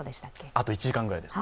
あと１時間ぐらいです。